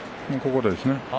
ここです。